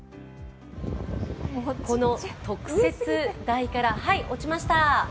この特設台から落ちました！